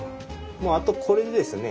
もうあとこれでですね